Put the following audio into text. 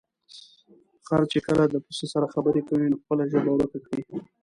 خر چې کله د پسه سره خبرې کوي، نو خپله ژبه ورکه کړي.